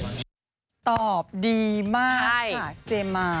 ตาอบดีมากค่ะเจมส์มาน